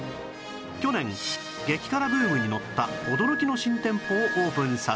去年激辛ブームにのった驚きの新店舗をオープンさせる